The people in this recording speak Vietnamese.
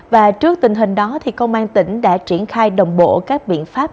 và trước tình hình đó công an tỉnh đã triển khai đồng bộ các biện pháp